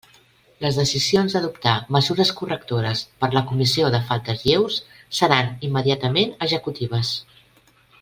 Les decisions d'adoptar mesures correctores per la comissió de faltes lleus seran immediatament executives.